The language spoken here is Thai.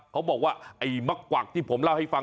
เขาบอกว่าไอ้มะกวักที่ผมเล่าให้ฟัง